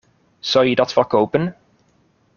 Zou je dat wel kopen?